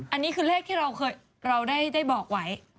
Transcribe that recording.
อันนี้คือเลขที่เราได้บอกไว้